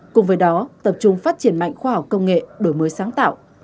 cùng với đó tập trung phát triển mạnh khoa học công nghệ đổi mới sáng tạo